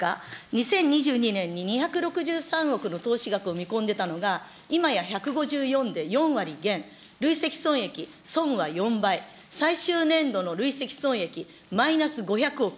２０２２年に２６３億の投資額を見込んでたのが、今や１５４で４割減、累積損益、損は４倍、最終年度の累積損益マイナス５００億。